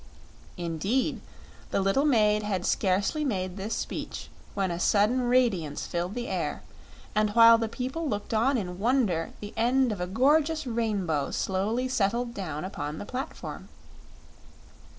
Indeed, the little maid had scarcely made this speech when a sudden radiance filled the air, and while the people looked on in wonder the end of a gorgeous rainbow slowly settled down upon the platform.